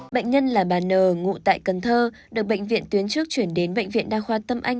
bệnh nhân là bà n ngụ tại cần thơ được bệnh viện tuyến trước chuyển đến bệnh viện đa khoa tâm anh